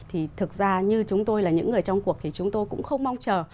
thì thực ra như chúng tôi là những người trong cuộc thì chúng tôi cũng không mong chờ